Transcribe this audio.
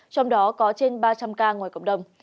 trong đó có trên ba trăm linh ca ngoài cộng đồng